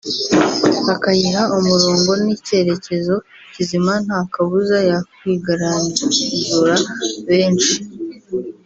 akayiha umurongo n’icyerekezo kizima nta kabuza yakwigaranzura benshi